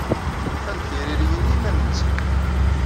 Ufan-d tiririyin i yiman-nsen.